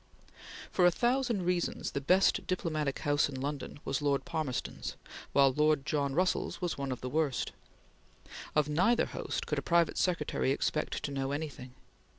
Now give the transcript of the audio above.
For a thousand reasons, the best diplomatic house in London was Lord Palmerston's, while Lord John Russell's was one of the worst. Of neither host could a private secretary expect to know anything.